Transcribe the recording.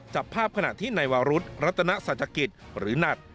จับภาพขณะที่ในวารุธรัตนสัจกิจหรือหนัด